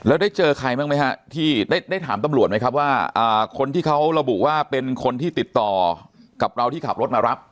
แล้วได้เจอใครบ้างไหมฮะที่ได้ถามตำรวจไหมครับว่าคนที่เขาระบุว่าเป็นคนที่ติดต่อกับเราที่ขับรถมารับ